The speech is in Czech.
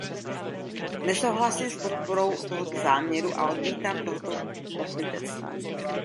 Nesouhlasím s podporou tohoto záměru a odmítám toto pokrytectví.